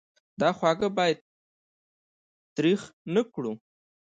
دا خوږه باید تریخه نه کړو.